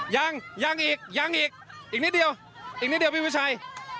ยังยังอีกยังอีกอีกนิดเดียวอีกนิดเดียวพี่วิชัย